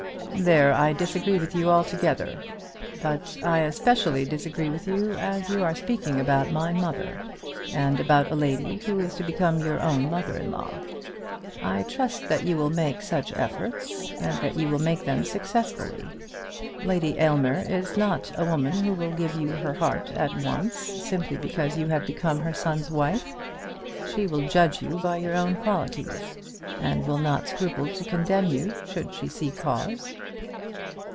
"There I disagree with you altogether; but I especially disagree with you as you are speaking about my mother, and about a lady who is to become your own mother in law. I trust that you will make such efforts, and that you will make them successfully. Lady Aylmer is not a woman who will give you her heart at once, simply because you have become her son's wife. She will judge you by your own qualities, and will not scruple to condemn you should she see cause."